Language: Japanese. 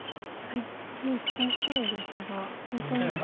もう小さいヨセが本当に少し。